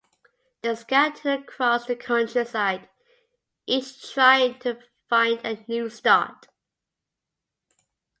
They scattered across the countryside, each trying to find a new start.